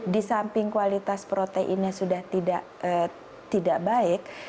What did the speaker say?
disamping kualitas proteinnya sudah tidak baik